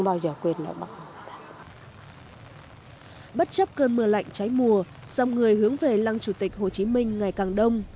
bất chấp cơn mưa lạnh trái mùa dòng người hướng về lăng chủ tịch hồ chí minh ngày càng đông